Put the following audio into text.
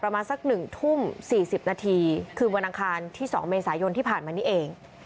ประมาณสักหนึ่งทุ่มสี่สิบนาทีคืนวันอังคารที่สองเมษายนที่ผ่านมานี่เอง